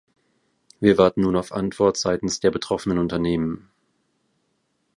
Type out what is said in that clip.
Wir warten nun auf Antwort seitens der betroffenen Unternehmen.